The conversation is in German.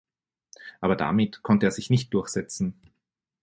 Aber damit konnte er sich nicht durchsetzen.